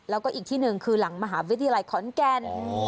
แล้วก็อีกที่หนึ่งคือหลังมหาวิทยาลัยขอนแก่น